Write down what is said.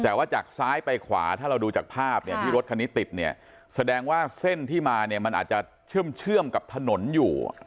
แต่ว่าจากซ้ายไปขวาถ้าเราดูจากภาพเนี่ยที่รถคันนี้ติดเนี่ยแสดงว่าเส้นที่มาเนี่ยมันอาจจะเชื่อมกับถนนอยู่